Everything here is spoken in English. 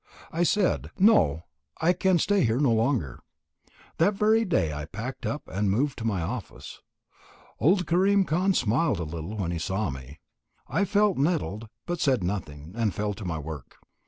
I said; "No, I can stay here no longer." That very day I packed up, and moved to my office. Old Karim Khan smiled a little as he saw me. I felt nettled, but said nothing, and fell to my work.